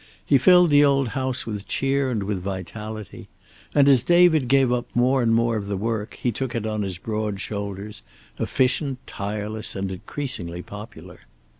He filled the old house with cheer and with vitality. And, as David gave up more and more of the work, he took it on his broad shoulders, efficient, tireless, and increasingly popular.